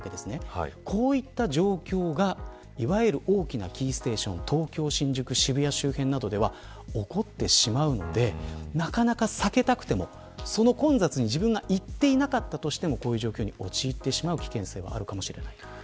こういった状況がいわゆる大きなキーステーション東京、新宿、渋谷周辺などで起きてしまうのでなかなか避けたくても混雑に自分が行っていなくてもこういう状況に陥る危険性はあるかもしれません。